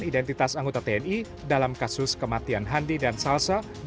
identitas anggota tni dalam kasus kematian handi dan salsa